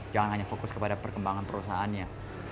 jangan hanya fokus kepada perkembangan perusahaannya